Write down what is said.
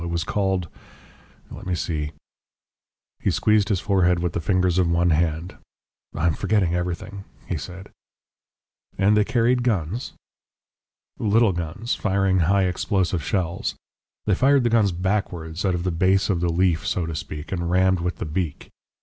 It was called let me see ." He squeezed his forehead with the fingers of one hand. "I am forgetting everything," he said. "And they carried guns?" "Little guns, firing high explosive shells. They fired the guns backwards, out of the base of the leaf, so to speak, and rammed with the beak.